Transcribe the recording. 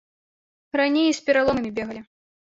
Раней і з пераломамі бегалі.